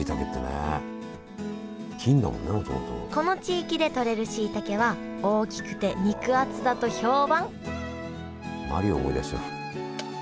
この地域でとれるしいたけは大きくて肉厚だと評判マリオ思い出しちゃう。